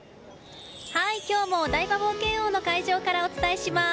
今日もお台場冒険王の会場からお伝えします。